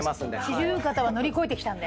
四十肩は乗り越えてきたんで。